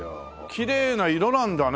きれいな色なんだね！